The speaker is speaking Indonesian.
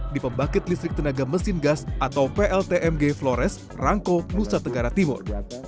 di pembangkit listrik tenaga mesin gas atau pltmg flores rangko nusa tenggara timur